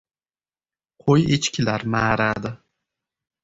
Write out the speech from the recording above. Qo‘y-echkilar ma’radi.